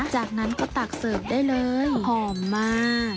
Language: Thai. จากนั้นก็ตักเสิร์ฟได้เลยหอมมาก